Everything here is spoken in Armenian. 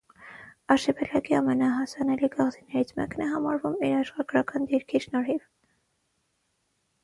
Արշիպելագի ամենահասանելի կղզիներից մեկն է համարվում իր աշխարհագրական դիրքի շնորհիվ։